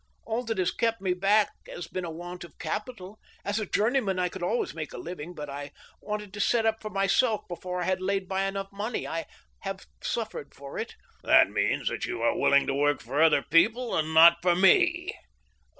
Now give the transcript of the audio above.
All that has kept me back has been a want of capital. As a journeyman, I could always make a living, but I wanted to set up for myself before I had laid by enough money. I have suifered for it." " That means that you are willing to work for other people, and not for me